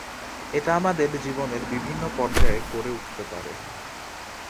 এটা আমাদের জীবনের বিভিন্ন পর্যায়ে গড়ে উঠতে পারে।